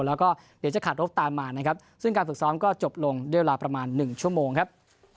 แล้วก็เดี๋ยวจะขาดรบตามมานะครับซึ่งการฝึกซ้อมก็จบลงด้วยเวลาประมาณ๑ชั่วโมงครับ